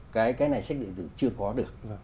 cái này sách điện tử chưa có được